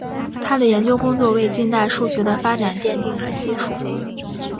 他的研究工作为近代数学的发展奠定了基础。